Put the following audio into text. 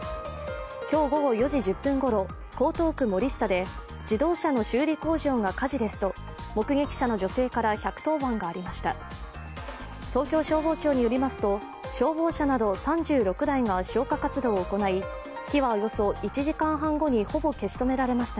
今日午後４時１０分ごろ、江東区森下で自動車の修理工場が火事ですと目撃者の女性から１１０番がありました。